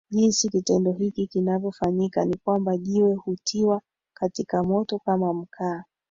jinsi kitendo hiki kinavyofanyika ni kwamba Jiwe hutiwa katika moto kama mkaaa